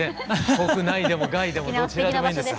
国内でも外でもどちらでもいいんです。